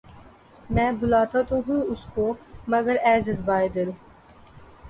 میں بلاتا تو ہوں اس کو مگر اے جذبہ ِ دل